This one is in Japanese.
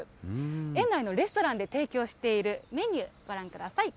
園内のレストランで提供しているメニュー、ご覧ください。